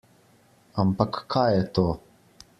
Ampak, kaj je to?